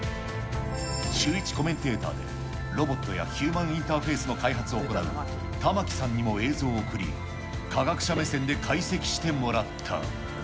シューイチコメンテーターで、ロボットやヒューマンインターフェースの開発を行う、玉城さんにも映像を送り、科学者目線で解析してもらった。